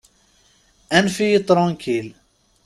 Anef-iyi tṛankil.